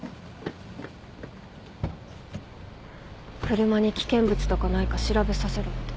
車に危険物とかないか調べさせろって。